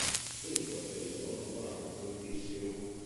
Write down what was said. In quel periodo lavorava tantissimo.